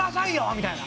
みたいな。